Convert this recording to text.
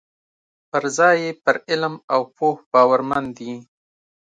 پر ځای یې پر علم او پوه باورمن دي.